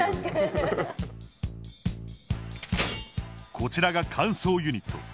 こちらが乾燥ユニット。